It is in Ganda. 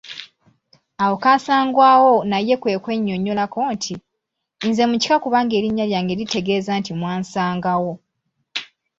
Awo Kaasangwawo naye kwe kwennyonnyolako nti, “nze mukika kubanga erinnya lyange litegeeza nti mwansangawo.”